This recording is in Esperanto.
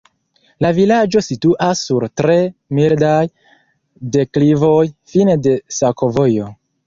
La vilaĝo situas sur tre mildaj deklivoj, fine de sakovojo.